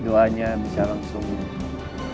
beberapa kali nunggu waktunya ada kenyaman